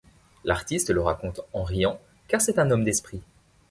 L'artiste le raconte en riant, car c'est un homme d'esprit.